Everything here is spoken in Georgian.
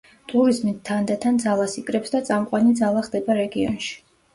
ტურიზმი თანდათან ძალას იკრებს და წამყვანი ძალა ხდება რეგიონში.